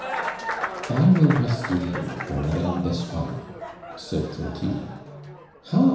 "I will rescue you from Madame d'Espard," said Clotilde. "How?"